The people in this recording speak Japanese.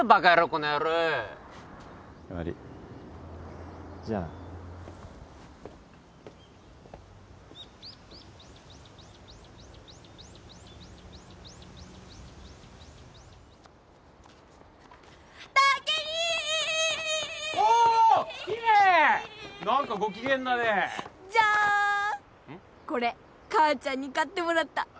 これ母ちゃんに買ってもらった。